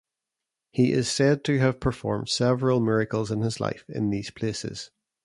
He is said to have performed several miracles in his life, in these places.